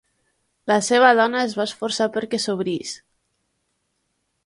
La seva dona es va esforçar perquè s'obrís.